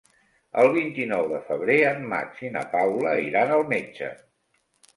El vint-i-nou de febrer en Max i na Paula iran al metge.